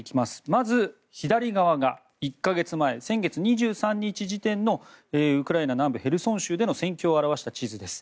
まず左側が１か月前先月２３日時点のウクライナ南部ヘルソン州での戦況を表した地図です。